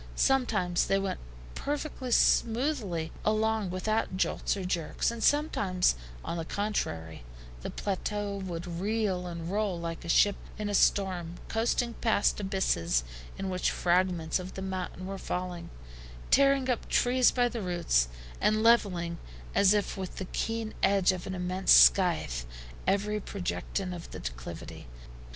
Sometimes they went perfectly smoothly along without jolts or jerks, and sometimes on the contrary, the plateau would reel and roll like a ship in a storm, coasting past abysses in which fragments of the mountain were falling, tearing up trees by the roots, and leveling, as if with the keen edge of an immense scythe, every projection of the declivity.